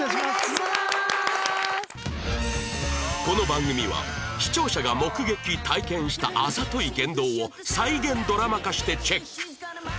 この番組は視聴者が目撃・体験したあざとい言動を再現ドラマ化してチェック